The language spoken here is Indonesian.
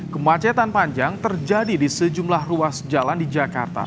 kemacetan panjang terjadi di sejumlah ruas jalan di jakarta